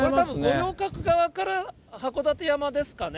五稜郭側から函館山ですかね。